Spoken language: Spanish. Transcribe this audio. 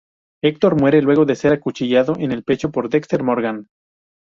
Hector muere luego de ser acuchillado en el pecho por Dexter Morgan.